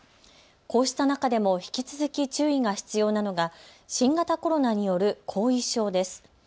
こうした中でも引き続き注意が必要なのが新型コロナによる後遺症です。